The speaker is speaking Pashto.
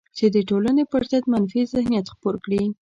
چې د ټولنې پر ضد منفي ذهنیت خپور کړي